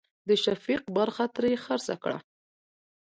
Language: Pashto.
د شفيق برخه ترې خرڅه کړه.